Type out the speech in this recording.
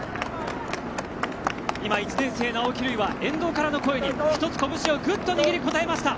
今、１年生の青木が沿道からの声に１つ拳をぐっと握り応えました。